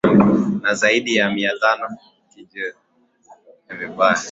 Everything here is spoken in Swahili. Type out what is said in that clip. na zaidi ya mia moja kujeruhiwa vibaya